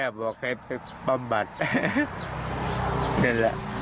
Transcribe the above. อยากไปความบัตรเรื่องเล่า